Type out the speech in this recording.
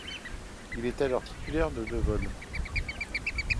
Il est alors titulaire de de vol.